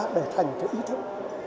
để thành cái ý thức